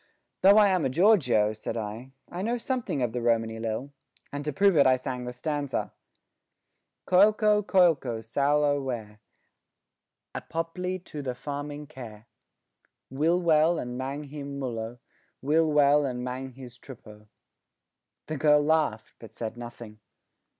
"Though I am a gorgio," said I, "I know something of the Romany lil," and to prove it I sang the stanza Coliko, coliko saulo wer Apopli to the farming ker Will wel and mang him mullo, Will wel and mang his truppo. The girl laughed, but said nothing.